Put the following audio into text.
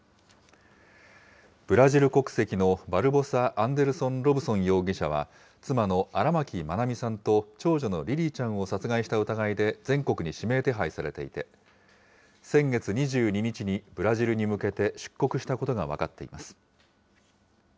ブラジル国籍のバルボサ・アンデルソン・ロブソン容疑者は、妻の荒牧愛美さんと長女のリリィちゃんを殺害した疑いで全国に指名手配されていて、先月２２日にブラジルに向けて出国したことが分かっています。